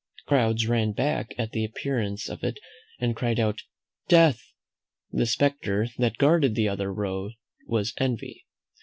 Crowds ran back at the appearance of it, and cried out, "Death!" The spectre that guarded the other road was Envy.